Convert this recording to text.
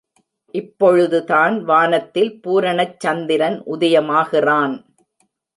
இப்பொழுதுதான் வானத்தில் பூரணச் சந்திரன் உதயமாகிறான்.